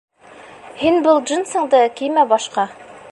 Һин был джинсыңды кеймә башҡа.